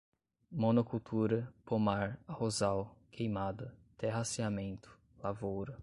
monocultura, pomar, arrozal, queimada, terraceamento, lavoura